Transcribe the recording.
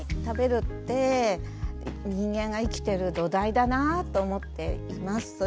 食べるって人間が生きてる土台だなぁと思っています。